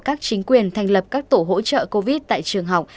các chính quyền thành lập các tổ hỗ trợ covid tại trường học